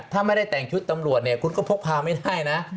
ถ้าไม่ได้แต่งชุดตำรวจเนี่ยคุณก็พกพาไม่ได้นะ